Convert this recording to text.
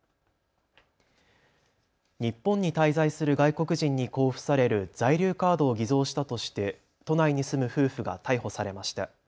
日本に滞在する外国人に交付される在留カードを偽造したとして都内に住む夫婦が逮捕されました。